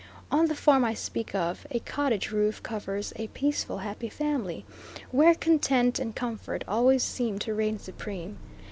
On the farm I speak of, a cottage roof covers a peaceful, happy family, where content and comfort always seem to reign supreme.